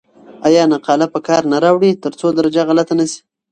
آیا نقاله په کار نه راوړئ ترڅو درجه غلطه نه سی؟